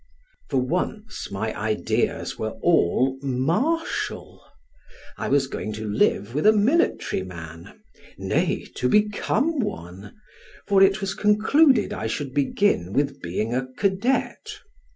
For once my ideas were all martial: I was going to live with a military man; nay, to become one, for it was concluded I should begin with being a cadet.